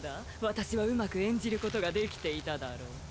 私はうまく演じることができていただろう？